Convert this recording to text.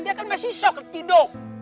dia kan masih shock tido